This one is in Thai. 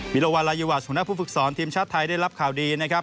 มิลวัลลายีวัชหัวหน้าผู้ฝึกซ้อนทีมชาติไทยได้รับข่าวดีนะครับ